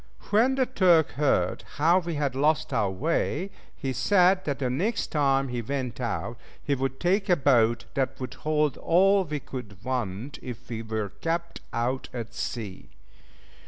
When the Turk heard how we had lost our way, he said that the next time he went out, he would take a boat that would hold all we could want if we were kept out at sea.